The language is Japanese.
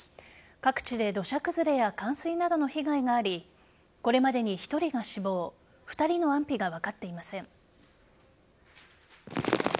各地で土砂崩れや冠水などの被害がありこれまでに１人が死亡２人の安否が分かっていません。